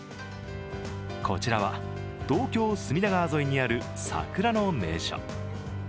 こちらは、東京・隅田川沿いにある桜の名所。